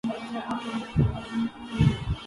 اسی کو آج ترستے ہیں منبر و محراب